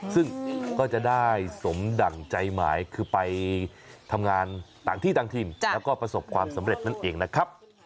ซึ่งก็จะได้สมดั่งใจหมายคือไปทำงานต่างที่ต่างถิ่นแล้วก็ประสบความสำเร็จนั่นเองนะครับ